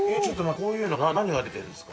こういうのは何が出てるんですか？